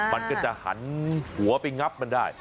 มันก็จะหันหัวไปงับมันได้